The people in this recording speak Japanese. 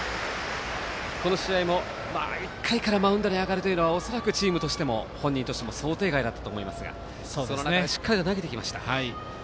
この試合も１回からマウンドに上がるというのは恐らくチームとしても本人としても想定外だったと思いますがその中でしっかりと投げてきました。